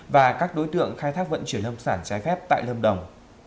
và các đối tượng khai thác vận chuyển lâm sản trái phép tại lâm đồng